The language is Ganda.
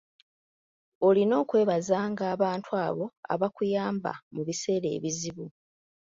Olina okwebazanga abantu abo abakuyamba mu biseera ebizibu.